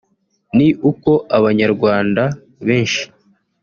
ni uko abanyarwanda benshi